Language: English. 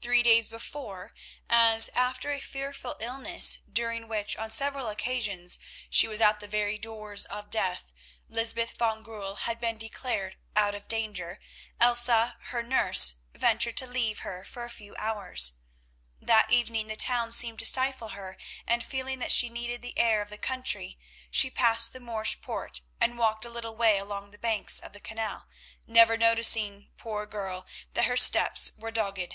Three days before, as after a fearful illness during which on several occasions she was at the very doors of death, Lysbeth van Goorl had been declared out of danger, Elsa, her nurse, ventured to leave her for a few hours. That evening the town seemed to stifle her and, feeling that she needed the air of the country, she passed the Morsch poort and walked a little way along the banks of the canal, never noticing, poor girl, that her footsteps were dogged.